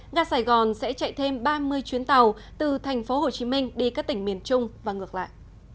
nga sài gòn sẽ chạy thêm ba mươi chuyến tàu từ tp hcm đi các tỉnh miền trung và ngược lại